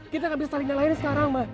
kita gak bisa talingan lainnya sekarang ma